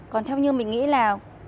còn theo như mình nghĩ là